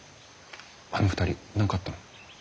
あの２人何かあったの？